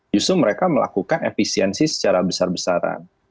justru mereka melakukan efisiensi secara besar besaran